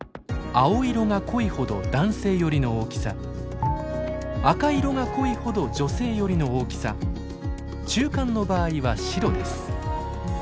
青色が濃いほど男性寄りの大きさ赤色が濃いほど女性寄りの大きさ中間の場合は白です。